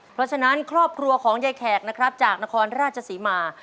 เพราะฉะนั้นครอบครัวของยายแขกนะครับจากนครราชศรีมา